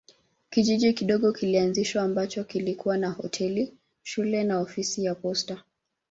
Kijiji kidogo kilianzishwa ambacho kilikuwa na hoteli, shule na ofisi ya posta.